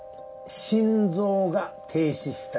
「心臓が停止した時点で」。